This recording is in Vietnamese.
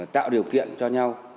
tạo điều kiện cho nhau